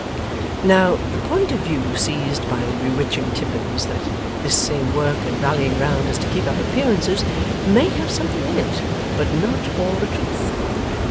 Now, the point of view seized by the bewitching Tippins, that this same working and rallying round is to keep up appearances, may have something in it, but not all the truth.